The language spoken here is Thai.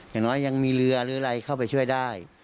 อย่างน้อยยังมีเรือหรืออะไรเข้าไปช่วยได้